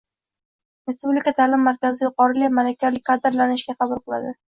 Respublika ta’lim markazi yuqori malakali kadrlarni ishga qabul qiladi